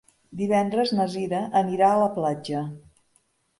Divendres na Cira anirà a la platja.